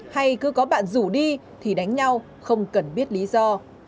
hay cứ có bạn rủ đi thì đánh nhau không cần biết lý do